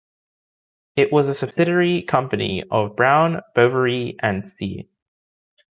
It was a subsidiary company of Brown, Boveri and Cie.